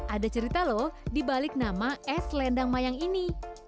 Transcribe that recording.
ada cerita loh dibalik nama es lendang mayang ini